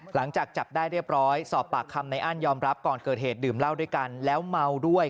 หลังจากจับได้เรียบร้อยสอบปากคำในอั้นยอมรับก่อนเกิดเหตุดื่มเหล้าด้วยกันแล้วเมาด้วย